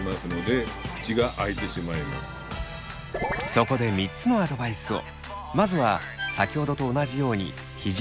そこで３つのアドバイスを。